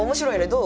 どう？